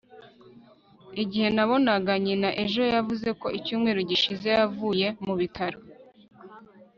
Igihe nabonaga nyina ejo yavuze ko icyumweru gishize yavuye mu bitaro